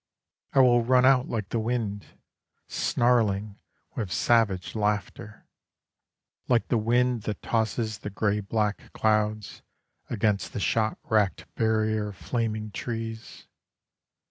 I will run out like the wind, Snarling, with savage laughter; Like the wind that tosses the grey black clouds, Against the shot racked barrier of flaming trees.